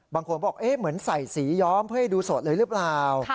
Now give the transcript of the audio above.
บางคนบอกเหมือนใส่สีย้อมเพื่อให้ดูสดเลยหรือเปล่า